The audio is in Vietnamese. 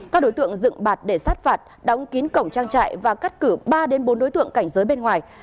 các đối tượng dựng bạt để sát phạt đóng kín cổng trang trại và cắt cử ba bốn đối tượng cảnh giới bên ngoài